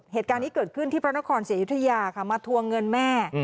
เหตุการณ์นี้เกิดขึ้นที่พระนครศรีอยุธยาค่ะมาทวงเงินแม่